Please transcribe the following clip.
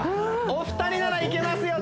お二人ならいけますよ